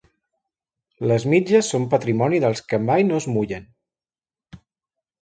Les mitges són patrimoni dels que mai no es mullen.